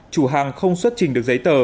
chủ hàng không xuất trình được giấy tờ